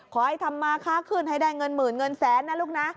ขอให้ทำมาค้าขึ้นให้ได้เงินหมื่นเงินแสนนะลูกนะ